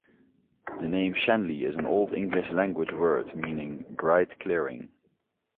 The name 'Shenley' is an Old English language word meaning 'bright clearing'.